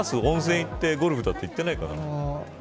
温泉行ってゴルフだと行ってないかな。